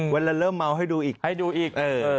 เวลาเริ่มเมาให้ดูอีก